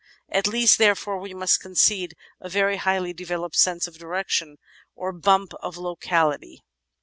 At least, therefore, we must concede a very highly developed "sense of direction" or "bump of locality."